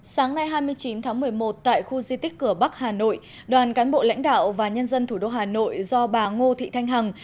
sáng nay hai mươi chín tháng một mươi một tại khu di tích cửa bắc hà nội đoàn cán bộ lãnh đạo và nhân dân thủ đô hà nội do bà ngô thị thanh hằng